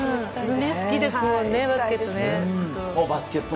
好きですよね、バスケット。